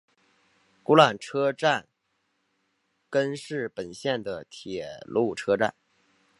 古濑车站根室本线的铁路车站。